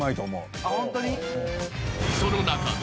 ［その中で］